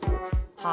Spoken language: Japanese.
は？